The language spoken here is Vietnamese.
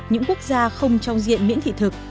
những quốc gia không trong diện miễn thị thực